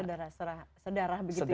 saudara saudara sedara begitu ya